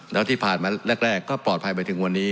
แล้วที่ผ่านมาแรกก็ปลอดภัยไปถึงวันนี้